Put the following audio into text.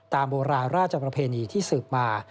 โบราณราชประเพณีที่สืบมา